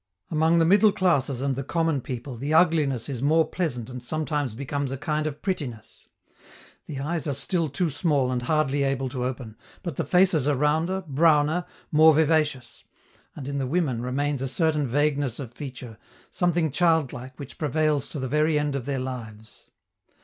Among the middle classes and the common people, the ugliness is more pleasant and sometimes becomes a kind of prettiness. The eyes are still too small and hardly able to open, but the faces are rounder, browner, more vivacious; and in the women remains a certain vagueness of feature, something childlike which prevails to the very end of their lives.